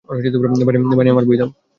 বানি, আমার বই দাও!